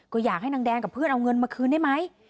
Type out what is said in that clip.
ก็อยากให้นางแดงกับเพื่อนเอาเงินมาคืนได้ไหม